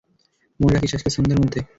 মনে রাখিস, আজকে সন্ধ্যার মধ্যে।